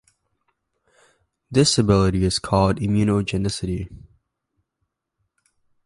This ability is called immunogenicity.